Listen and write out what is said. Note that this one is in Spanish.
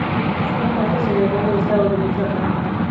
Una parte se grabó en el estado de Michoacán.